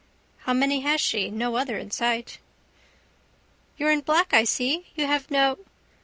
How many has she? No other in sight. —You're in black, I see. You have no...